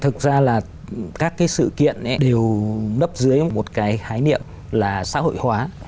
thực ra là các cái sự kiện đều nấp dưới một cái khái niệm là xã hội hóa